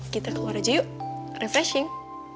kita keluar aja yuk refreshing